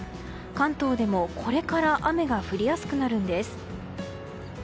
関東でも、これから雨が降りやすくなるんです。